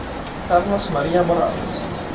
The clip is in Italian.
Carlos María Morales